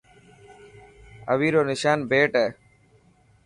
اوي رو نشان بيٽ هي.